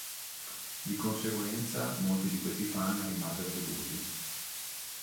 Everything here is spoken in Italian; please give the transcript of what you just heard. Di conseguenza, molti di questi fan rimasero delusi.